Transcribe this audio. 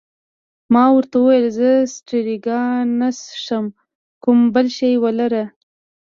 ما ورته وویل: زه سټریګا نه څښم، کوم بل شی ولره.